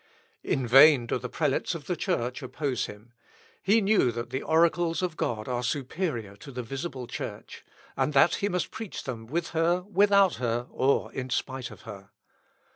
In vain do the prelates of the Church oppose him; he knew that the oracles of God are superior to the visible church, and that he must preach them with her, without her, or in spite of her.